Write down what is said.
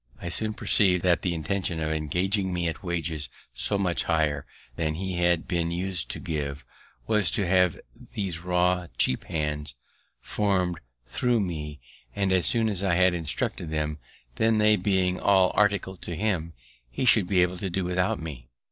I soon perceiv'd that the intention of engaging me at wages so much higher than he had been us'd to give, was, to have these raw, cheap hands form'd thro' me; and, as soon as I had instructed them, then they being all articled to him, he should be able to do without me.